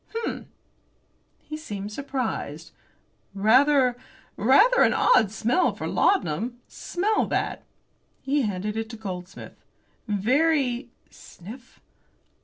"Hum!" He seemed surprised. "Rather rather an odd smell for laudanum. Smell that!" He handed it to Goldsmith. "Very" sniff!